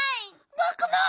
ぼくも！